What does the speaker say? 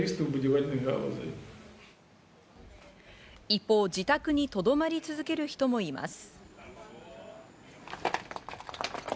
一方、自宅にとどまり続ける人もいます。